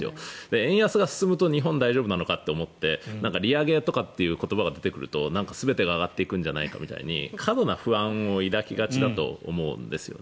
円安が進むと日本大丈夫なのかと思って利上げという言葉が出てくると全てが上がっていくんじゃないかみたいに過度な不安を抱きがちだと思うんですよね。